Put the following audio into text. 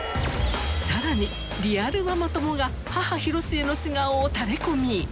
さらにリアルママ友が母広末の素顔をタレコミ